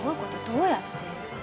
どうやって？」